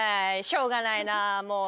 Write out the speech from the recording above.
しょうがないなあもう。